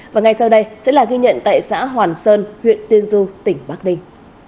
và ngay sau đây sẽ là ghi nhận tại xã hoàn sơn huyện tiên du tỉnh bắc ninh